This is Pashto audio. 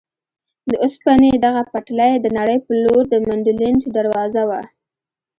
د اوسپنې دغه پټلۍ د نړۍ په لور د منډلینډ دروازه وه.